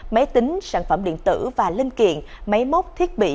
máy tính sản phẩm điện tử và linh kiện máy móc thiết bị